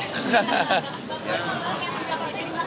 bagaimana sikap partai soal isu kepenjahan mas gibran